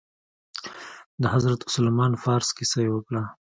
د حضرت سلمان فارس كيسه يې وكړه.